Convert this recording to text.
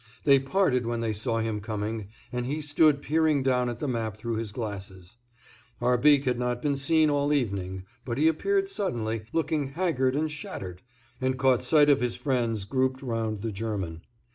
They parted when they saw him coming, and he stood peering down at the map through his glasses. Arbique had not been seen all evening, but he appeared suddenly, looking haggard and shattered, and caught sight of his friends grouped round the German.